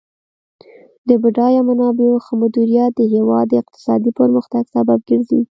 د بډایه منابعو ښه مدیریت د هیواد د اقتصادي پرمختګ سبب ګرځي.